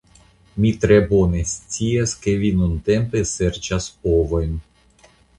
Mi tre bone scias ke vi nuntempe serĉas ovojn.